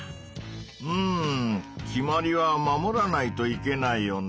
うん決まりは守らないといけないよね。